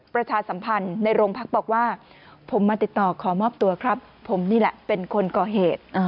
ประชาสัมพันธ์ในโรงพักบอกว่าผมมาติดต่อขอมอบตัวครับผมนี่แหละเป็นคนก่อเหตุ